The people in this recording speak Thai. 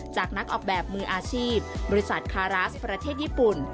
นักออกแบบมืออาชีพบริษัทคาราสประเทศญี่ปุ่น